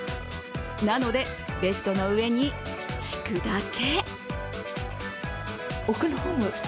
なのでベッドの上に敷くだけ。